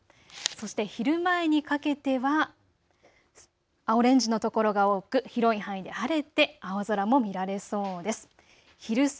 そして昼前にかけてはオレンジの所が多く広い範囲で晴れて青空も見られそうです。